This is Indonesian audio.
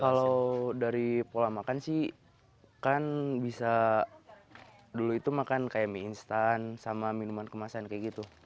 kalau dari pola makan sih kan bisa dulu itu makan kayak mie instan sama minuman kemasan kayak gitu